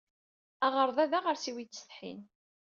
Aɣerday d aɣersiw yettsetḥin.